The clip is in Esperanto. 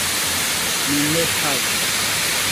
Mi ne pagus.